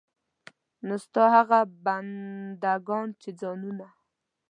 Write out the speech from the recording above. نو ستا هغه بندګان چې ځانونه.